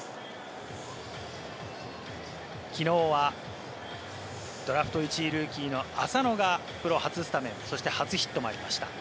昨日はドラフト１位ルーキーの浅野がプロ初スタメン、そして初ヒットもありました。